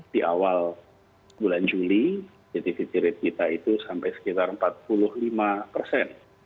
di awal bulan juli positivity rate kita itu sampai sekitar empat puluh lima persen